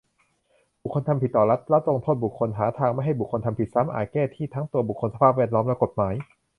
บุคคลทำผิดต่อรัฐ รัฐลงโทษบุคคล หาทางไม่ให้บุคคลทำผิดซ้ำ อาจแก้ที่ทั้งตัวบุคคล สภาพแวดล้อม และกฎหมาย